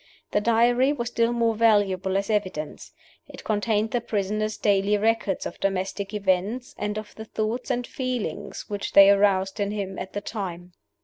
The Diary was still more valuable as evidence. It contained the prisoner's daily record of domestic events, and of the thoughts and feelings which they aroused in him at the time.